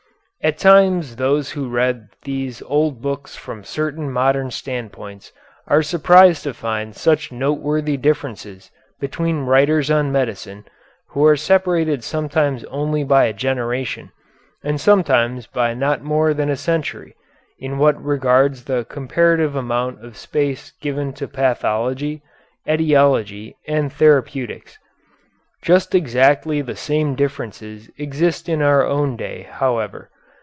At times those who read these old books from certain modern standpoints are surprised to find such noteworthy differences between writers on medicine, who are separated sometimes only by a generation, and sometimes by not more than a century, in what regards the comparative amount of space given to pathology, etiology, and therapeutics. Just exactly the same differences exist in our own day, however.